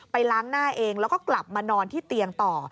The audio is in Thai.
ล้างหน้าเองแล้วก็กลับมานอนที่เตียงต่อ